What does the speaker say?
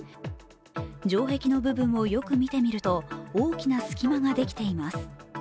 城壁の部分をよく見てみると大きな隙間ができています。